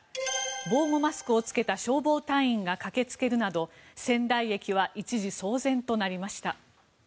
防護マスクを着けた消防隊員が駆けつけるなど仙台駅は一時、騒然となりました。